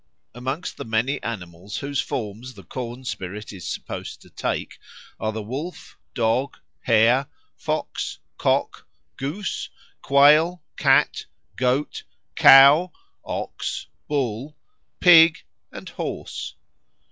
Amongst the many animals whose forms the corn spirit is supposed to take are the wolf, dog, hare, fox, cock, goose, quail, cat, goat, cow (ox, bull), pig, and horse.